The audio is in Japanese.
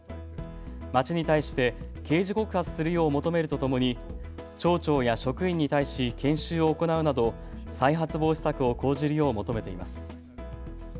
町に対して刑事告発するよう求めるとともに町長や職員に対し研修を行うなど再発防止策を講じるよう求めています。